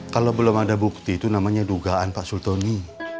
kalau belum ada bukti itu namanya dugaan pak sultoni